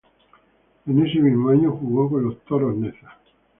En ese mismo año jugó con los Toros Neza.